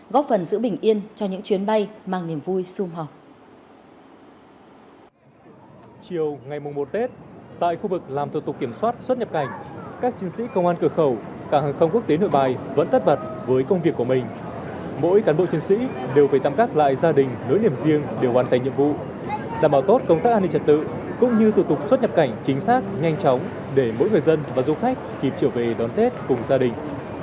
mỗi cán bộ chiến sĩ đều phải tăm các loại gia đình nối niềm riêng để hoàn thành nhiệm vụ đảm bảo tốt công tác an ninh trật tự cũng như thuật tục xuất nhập cảnh chính xác nhanh chóng để mỗi người dân và du khách kịp trở về đón tết cùng gia đình